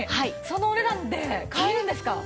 そのお値段で買えるんですか？